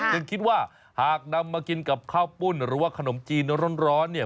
ยังคิดว่าหากนำมากินกับข้าวปุ้นหรือว่าขนมจีนร้อนเนี่ย